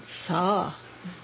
さあ。